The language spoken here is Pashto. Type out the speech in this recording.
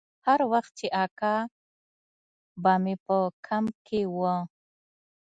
هر وخت چې اکا به مې په کمپ کښې و.